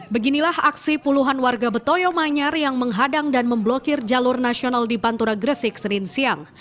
beginilah aksi puluhan warga betoyo manyar yang menghadang dan memblokir jalur nasional di pantura gresik senin siang